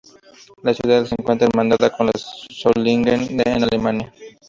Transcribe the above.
La ciudad se encuentra hermanada con la de Solingen, en Alemania.